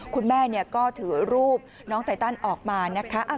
คุณแม่ก็ถือรูปน้องไตตันออกมานะคะ